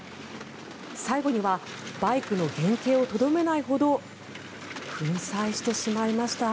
最後にはバイクの原形をとどめないほど粉砕してしまいました。